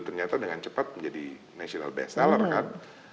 ternyata dengan cepat menjadi national best seller kan